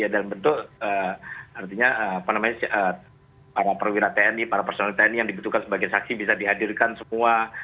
dalam bentuk artinya para perwira tni para personil tni yang dibutuhkan sebagai saksi bisa dihadirkan semua